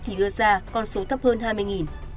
thì đưa ra con số thấp hơn hai mươi